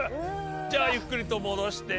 じゃあゆっくりともどして。